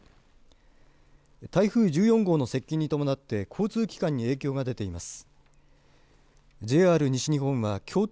台風１４号の接近に伴って交通機関に影響が出ています。